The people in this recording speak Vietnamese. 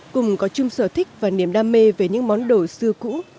cùng có chung sở thích và niềm đam mê về những món đồ xưa cũ